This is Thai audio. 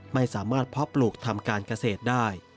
ไม่สามารถเพาะปลูกทำการเกษตรได้